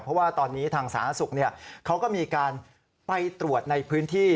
เพราะว่าตอนนี้ทางสาธารณสุขเขาก็มีการไปตรวจในพื้นที่